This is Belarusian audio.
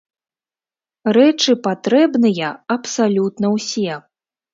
Рэчы патрэбныя абсалютна ўсе.